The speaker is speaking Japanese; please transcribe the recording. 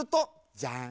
ジャン！